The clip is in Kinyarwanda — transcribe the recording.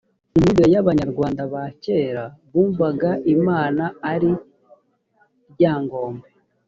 mu myumvire y abanyarwanda ba kera bumvaga imana ari ryangombe